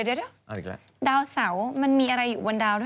เดี๋ยวดาวเสาร์มันมีอะไรอยู่บนดาวด้วย